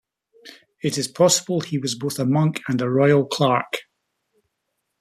It is possible he was both a monk and a royal clerk.